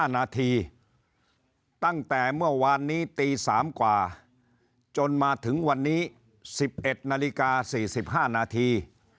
๕นาทีตั้งแต่เมื่อวานนี้ตี๓กว่าจนมาถึงวันนี้๑๑นาฬิกา๔๕นาที